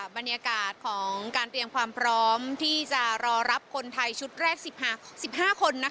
บรรยากาศของการเตรียมความพร้อมที่จะรอรับคนไทยชุดแรก๑๕คน